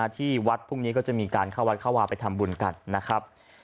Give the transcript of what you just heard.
ที่วัดพรุ่งนี้ก็จะมีการเข้าวัดเข้าวาไปทำบุญกันนะครับ